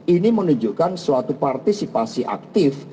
ini menunjukkan suatu partisipasi aktif